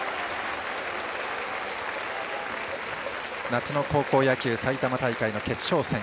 夏の高校野球埼玉大会の決勝戦。